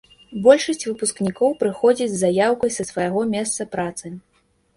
Большасць выпускнікоў прыходзяць з заяўкай са свайго месца працы.